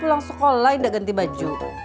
pulang sekolah tidak ganti baju